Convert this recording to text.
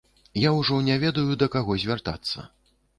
Я ўжо не ведаю, да каго звяртацца.